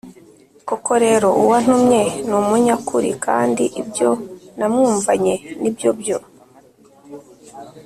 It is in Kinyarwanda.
Koko rero uwantumye ni umunyakuri kandi ibyo namwumvanye ni byo byo